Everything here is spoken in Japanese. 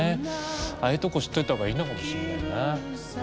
ああいうとこ知っといたほうがいいのかもしれないな。